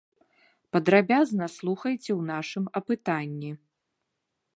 Падрабязна слухайце ў нашым апытанні.